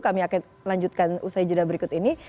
kami akan lanjutkan usai jeda berikut ini